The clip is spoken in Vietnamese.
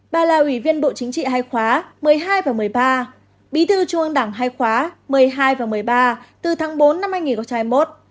bà là ủy viên bộ chính trị hai khóa một mươi hai và một mươi ba bí thư trung ương đảng hai khóa một mươi hai và một mươi ba từ tháng bốn năm hai nghìn hai mươi một